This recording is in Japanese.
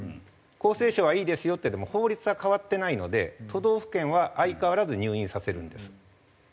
厚生省がいいですよって言っても法律は変わってないので都道府県は相変わらず入院させるんです。